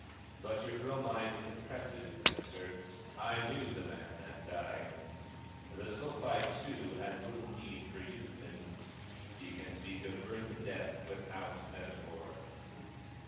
But your Bromide is impressive and asserts, "I knew the man that died!" The Sulphite, too, has little need for euphemisms. He can speak of birth and death without metaphor.